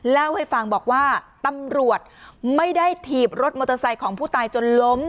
เล่าให้ฟังบอกว่าตำรวจไม่ได้ถีบรถมอเตอร์ไซค์ของผู้ตายจนล้ม